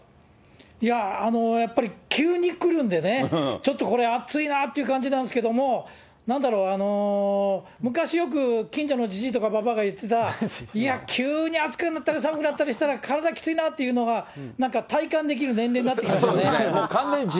いや、やっぱり急に来るんでね、ちょっとこれ、暑いなっていう感じなんですけど、なんだろう、昔よく、近所のじじいとかばばあがやってた、いや、急に暑くなったり寒くなったりしたら体きついなというのが、なんか体感できる年齢になってきたなと。